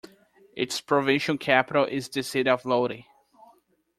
Its provincial capital is the city of Lodi.